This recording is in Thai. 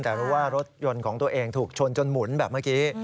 แต่รู้ว่ารถยนต์ของตัวเองถูกชนจนหมุนแบบเมื่อกี้